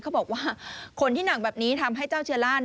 เขาบอกว่าขนที่หนักแบบนี้ทำให้เจ้าเชื้อล่า